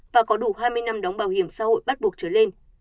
và có đủ hai mươi năm đóng bảo hiểm xã hội bắt buộc trở lên